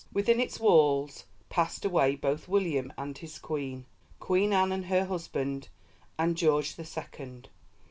Within its walls passed away both William and his Queen, Queen Anne and her husband, and George the Second.